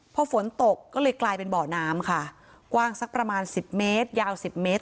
พอฝนตกก็เลยกลายเป็นบ่อน้ำค่ะกว้างสักประมาณสิบเมตรยาวสิบเมตร